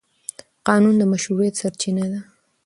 قانون د مشروعیت سرچینه ده.